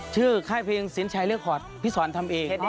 ชื่อค่ายเพลงศิลป์ชายเรียกขอดพี่สอนทำเอง